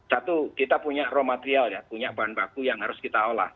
satu kita punya raw material ya punya bahan baku yang harus kita olah